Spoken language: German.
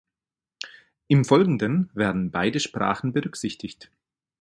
Im Folgenden werden beide Sprachen berücksichtigt.